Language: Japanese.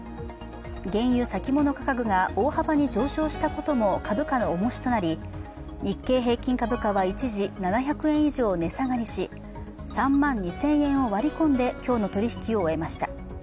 原油先物価格が大幅に上昇したことも株価の重しとなり日経平均株価は、一時７００円以上値下がりし３万２０００円を割り込んで今日の取り引きを終えました。